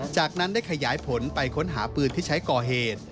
จากนั้นได้ขยายผลไปค้นหาปืนที่ใช้ก่อเหตุ